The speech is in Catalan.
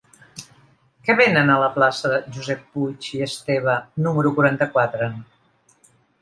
Què venen a la plaça de Josep Puig i Esteve número quaranta-quatre?